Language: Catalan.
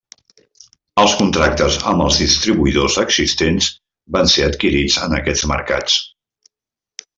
Els contractes amb els distribuïdors existents van ser adquirits en aquests mercats.